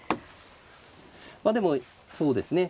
まあでもそうですね